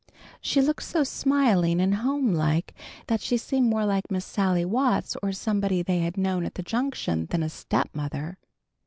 She looked so smiling and home like that she seemed more like Miss Sally Watts or somebody they had known at the Junction than a stepmother.